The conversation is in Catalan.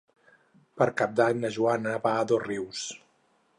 Per Cap d'Any na Joana va a Dosrius.